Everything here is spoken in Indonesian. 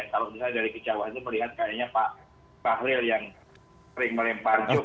kalau misalnya dari kejauhan itu melihat kayaknya pak bahlil yang sering melempar jok